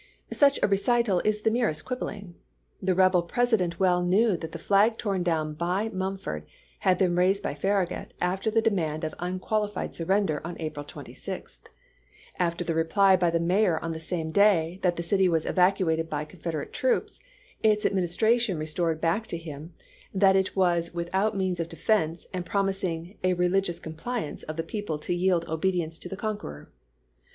Such a recital is the merest quibbling. The rebel President well knew that the flag torn down by Mumford had been raised by Farragut, after the demand of unqualified surrender on April 26 ; after the reply by the Mayor on the same day, that the city was evacuated by Confederate troops, its adminis tration restored back to him, that it was without means of defense, and promising a " religious com pliance" of the people to yield obedience to the conqueror.